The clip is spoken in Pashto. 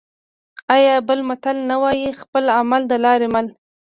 آیا بل متل نه وايي: خپل عمل د لارې مل؟